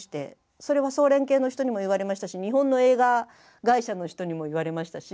それは総連系の人にも言われましたし日本の映画会社の人にも言われましたし。